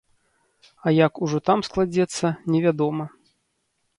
А як ужо там складзецца, невядома.